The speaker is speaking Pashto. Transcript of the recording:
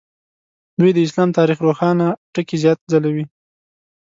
دوی د اسلام تاریخ روښانه ټکي زیات ځلوي.